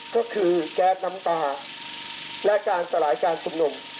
ก็คือแก๊สน้ำตาและการสลายการชุมนุม